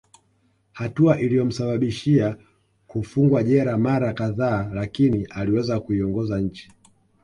Hatua iliyomsababishia kufungwa jela mara kadhaa lakini aliweza kuiongoza nchi